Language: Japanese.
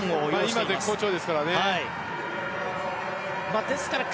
今、絶好調ですからね。